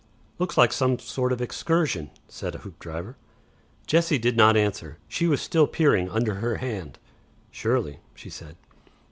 "Looks like some sort of excursion," said Hoopdriver. Jessie did not answer. She was still peering under her hand. "Surely," she said.